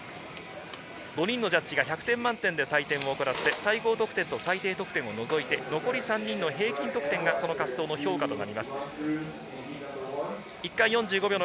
５人のジャッジが１００点満点で採点を行い、最高得点と最低得点を除いて残り３人のジャッジの平均で争います。